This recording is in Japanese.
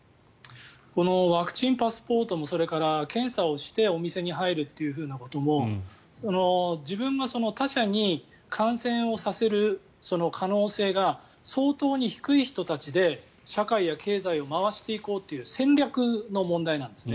このワクチンパスポートもそれから検査をしてお店に入るというふうなことも自分が他者に感染をさせる可能性が相当に低い人たちで社会や経済を回していこうという戦略の問題なんですね。